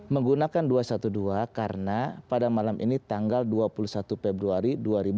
menggunakan dua ratus dua belas karena pada malam ini tanggal dua puluh satu februari dua ribu dua puluh